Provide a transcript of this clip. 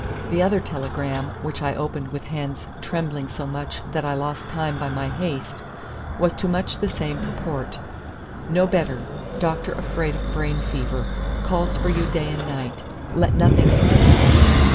The other telegram, which I opened with hands trembling so much that I lost time by my haste, was to much the same purport: "No better; doctor afraid of brain fever. Calls for you day and night. Let nothing detain you."